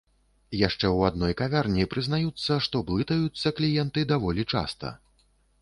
Яшчэ ў адной кавярні прызнаюцца, што блытаюцца кліенты даволі часта.